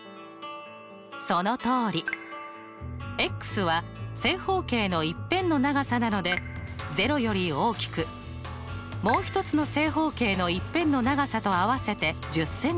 そのとおり！は正方形の１辺の長さなので０より大きくもう１つの正方形の１辺の長さと合わせて１０ｃｍなので１０未満。